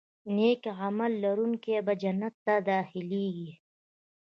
نیک عمل لرونکي به جنت ته داخلېږي.